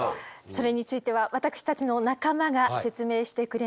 それについては私たちの仲間が説明してくれます。